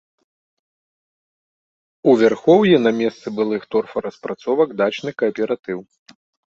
У вярхоўі на месцы былых торфараспрацовак дачны кааператыў.